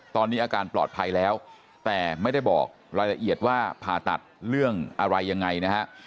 ตอนนี้อาการปลอดภัยแล้วแต่ไม่ได้บอกรายละเอียดว่าผ่าตัดเรื่องอะไรยังไงนะฮะ